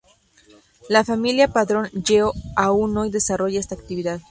La familia Padrón Lleó aún hoy desarrolla esta actividad.